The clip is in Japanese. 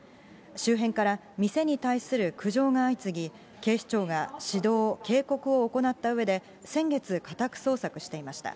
周辺から店に対する苦情が相次ぎ、警視庁が指導・警告を行ったうえで、先月、家宅捜索していました。